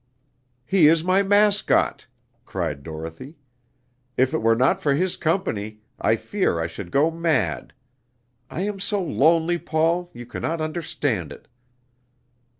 "He is my mascot!" cried Dorothy. "If it were not for his company, I fear I should go mad. I am so lonely, Paul, you can not understand it."